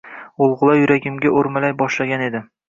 g‘ulg‘ula yuragimga o'rmalay boshlagan edi: